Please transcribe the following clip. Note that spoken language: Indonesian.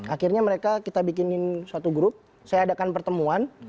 akhirnya mereka kita bikinin suatu grup saya adakan pertemuan